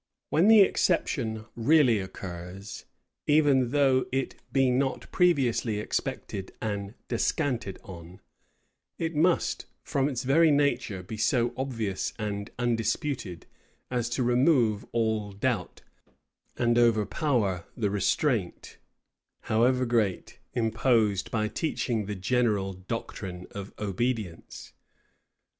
When the exception really occurs, even though it be not previously expected and descanted on, it must, from its very nature, be so obvious and undisputed, as to remove all doubt, and overpower the restraint, however great, imposed by teaching the general doctrine of obedience.